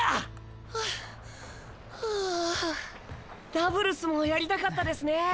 ダブルスもやりたかったですね。